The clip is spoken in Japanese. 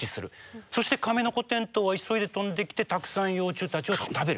そしてカメノコテントウは急いで飛んできてたくさん幼虫たちを食べる。